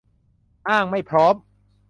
อ้างไม่พร้อม